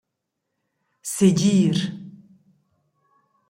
Segir.